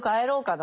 な